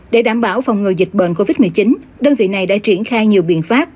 để đảm bảo phòng ngừa dịch bệnh covid một mươi chín đơn vị này đã triển khai nhiều biện pháp